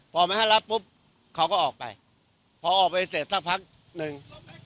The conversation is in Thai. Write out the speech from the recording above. พอไม่ให้รับปุ๊บเขาก็ออกไปพอออกไปเสร็จสักพักหนึ่ง